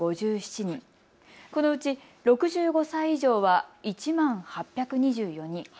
このうち６５歳以上は１万８２４人。